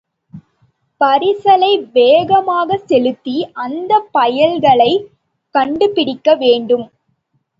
பரிசலை வேகமாகச் செலுத்தி அந்தப் பயல்களைக் கண்டுபிடிக்க வேண்டும்.